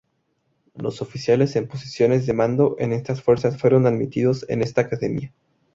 Los oficiales en posiciones de mando en estas fuerzas fueron admitidos en esta academia.